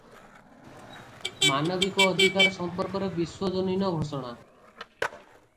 ମାନବିକ ଅଧିକାର ସମ୍ପର୍କରେ ବିଶ୍ୱଜନୀନ ଘୋଷଣା ।